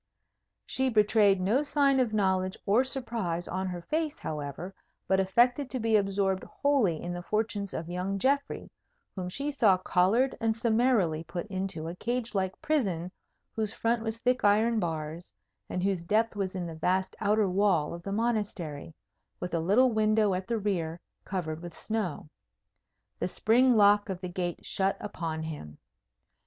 She betrayed no sign of knowledge or surprise on her face, however, but affected to be absorbed wholly in the fortunes of young Geoffrey, whom she saw collared and summarily put into a cage like prison whose front was thick iron bars, and whose depth was in the vast outer wall of the Monastery, with a little window at the rear, covered with snow. The spring lock of the gate shut upon him.